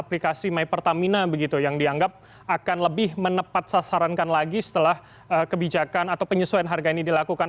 aplikasi my pertamina begitu yang dianggap akan lebih menepat sasarankan lagi setelah kebijakan atau penyesuaian harga ini dilakukan